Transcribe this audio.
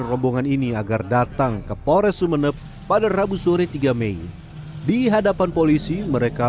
rombongan ini agar datang ke pores sumeneb pada rabu sore tiga mei di hadapan polisi mereka